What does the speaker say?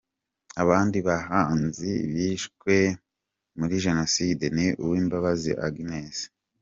Abandi bahanzi bishwe muri Jenoside ni: Uwimbabazi Agnes,.